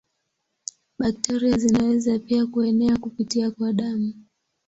Bakteria zinaweza pia kuenea kupitia kwa damu.